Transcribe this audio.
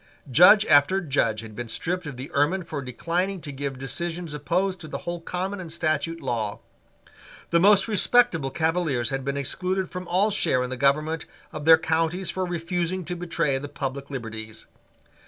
Judge after Judge had been stripped of the ermine for declining to give decisions opposed to the whole common and statute law. The most respectable Cavaliers had been excluded from all share in the government of their counties for refusing to betray the public liberties.